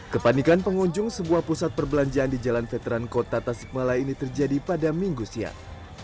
kepanikan pengunjung sebuah pusat perbelanjaan di jalan veteran kota tasikmala ini terjadi pada minggu siang